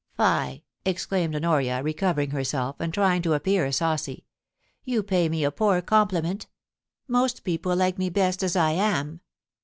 * Fie !' exclaimed Honoria, recovering herself, and trying to appear saucy. * You pay me a poor compliment Most people like me best as I am.'